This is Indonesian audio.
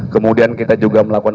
kemudian kita juga melakukan